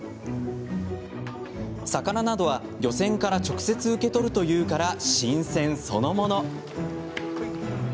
魚などは漁船から直接受け取るというから新鮮そのもの。